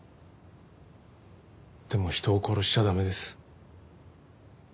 でも人を殺しちゃ駄目です。